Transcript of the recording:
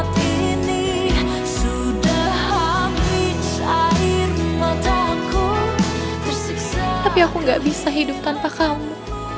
tapi aku gak bisa hidup tanpa kamu